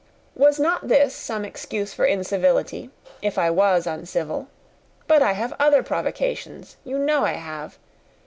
Was not this some excuse for incivility, if I was uncivil? But I have other provocations. You know I have.